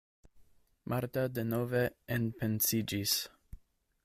Marta denove enpensiĝis.